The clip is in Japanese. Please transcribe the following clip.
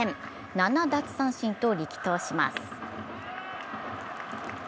７奪三振と力投します。